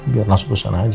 biar langsung kesana aja